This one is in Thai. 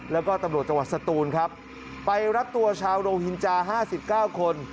แล้วก็ตำลวดจังหวัดสตูนครับไปรับตัวชาวโรหินจาห้าสิบเก้าคน